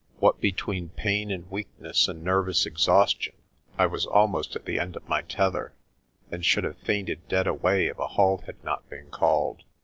What between pain and weakness and nervous exhaustion, I was almost at the end of my tether, and should have fainted dead away if a halt had not been called.